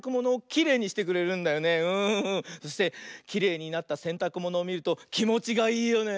そしてきれいになったせんたくものをみるときもちがいいよね。